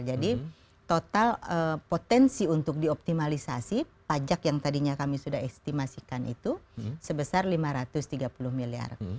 jadi total potensi untuk dioptimalisasi pajak yang tadinya kami sudah estimasikan itu sebesar rp lima ratus tiga puluh miliar